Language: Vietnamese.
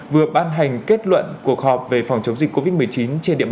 vừa bàn hành tình hình ca mắc covid một mươi chín